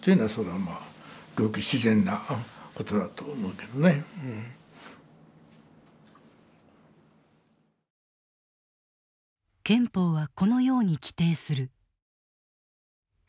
だからまあ憲法はこのように規定する。